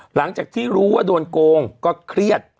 หลังจากที่รู้ว่าโดนโกงก็เครียด